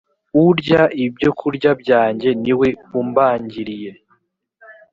urya ibyokurya byanjye ni we umbangiriye